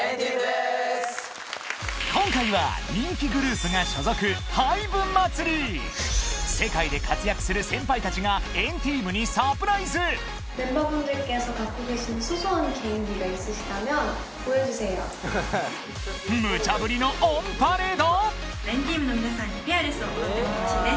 今回は人気グループが所属世界で活躍する先輩たちが ＆ＴＥＡＭ にサプライズムチャぶりのオンパレード